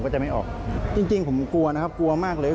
ผมก็จะไม่ออกจริงผมกลัวนะครับกลัวมากเลย